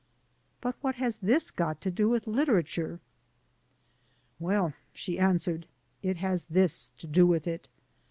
"But what has this got to do with literature?" "Well," she answered, "it has this to do with it.